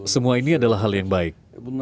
semua ini adalah hal yang baik